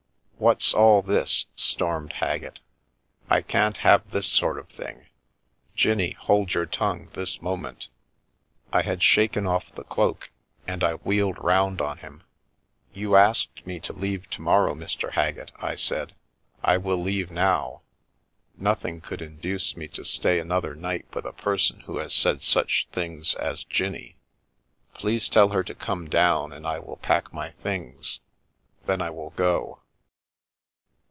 " What's all this ?" stormed Haggett. " I can't have this sort of thing. Jinnie, hold your tongue, this mo ment." I had shaken off the cloak, and I wheeled round on him. "You asked me to leave to morrow, Mr. Haggett," Being Fey I said ;° I will leave now. Nothing could induce me to stay another night with a person who has said such things as Jinnie. Please tell her to come down, and I will pack my things. Then I will go."